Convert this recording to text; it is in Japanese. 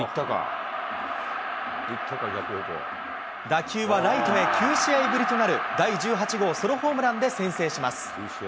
打球はライトへ９試合ぶりとなる、第１８号ソロホームランで先制します。